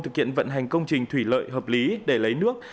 thực hiện vận hành công trình thủy lợi hợp lý để lấy nước